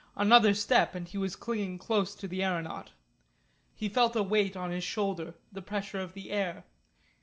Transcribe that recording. Another step and he was clinging close to the aeronaut. He felt a weight on his shoulder, the pressure of the air.